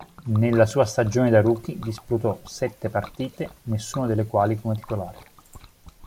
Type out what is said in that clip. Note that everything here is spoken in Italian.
Nella sua stagione da rookie disputò sette partite, nessuna delle quali come titolare.